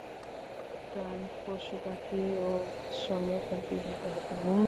ফলে উদ্যান, পশু-পাখি ও মাছ সংরক্ষণ বিঘ্নিত হতো।